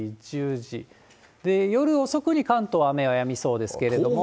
夜遅くに関東は雨はやみそうですけれども。